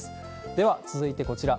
では、続いてこちら。